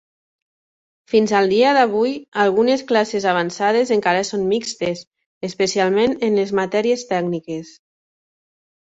Fins al dia d'avui, algunes classes avançades encara són mixtes, especialment en les matèries tècniques.